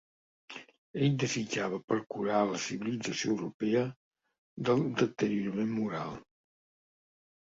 Ell desitjava per curar la civilització europea del deteriorament moral.